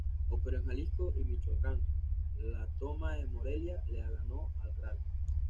Operó en Jalisco y Michoacán; la toma de Morelia, la ganó, al Gral.